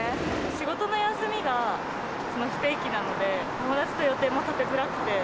仕事の休みが不定期なので、友達と予定も立てづらくて。